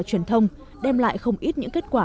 truyền thông đem lại không ít những kết quả